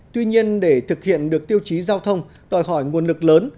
tuy nhiên để thực hiện được tiêu chí giao thông đòi hỏi nguồn lực lớn